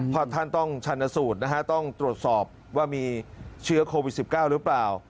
เพราะท่านต้องชันสูตรนะฮะต้องตรวจสอบว่ามีเชื้อโควิด๑๙หรือเปล่า